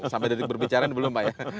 sampai detik berbicara belum pak ya